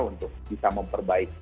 untuk bisa memperbaiki